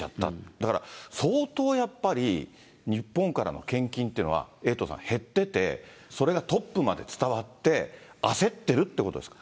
だから、相当やっぱり、日本からの献金というのは、エイトさん、減ってて、それがトップまで伝わって、焦ってるということですか。